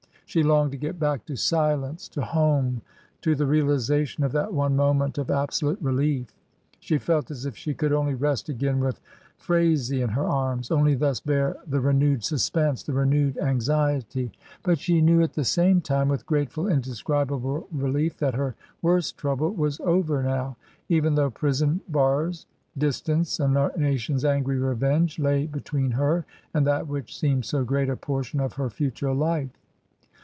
She longed to get back to silence, to home, to the realisation of that one moment of absolute relief. She felt as if she could only rest again with Phraisie in her arms, only thus bear the renewed suspense, the renewed anxiety. But she knew at the same time, with grateful, indescribable relief, that her worst trouble was over now, even though prison bars, distance, a nation's angry revenge lay between her and that which seemed so great a portion of her future life.